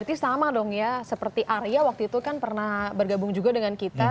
berarti sama dong ya seperti arya waktu itu kan pernah bergabung juga dengan kita